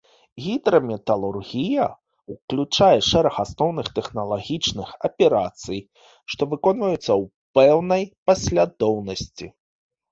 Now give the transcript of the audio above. Гідраметалургія ўключае шэраг асноўных тэхналагічных аперацый, што выконваюцца ў пэўнай паслядоўнасці.